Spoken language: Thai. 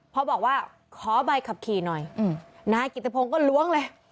พอบอกว่าขอใบขับขี่หน่อยนายกิติพงศ์ก็ล้วงเลย